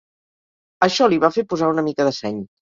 Això li va fer posar una mica de seny.